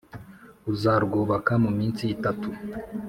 uzarwubaka mu minsi itatu